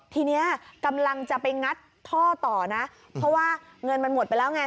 ทีนี้กำลังจะไปงัดท่อต่อนะเพราะว่าเงินมันหมดไปแล้วไง